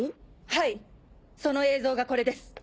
はいその映像がこれです。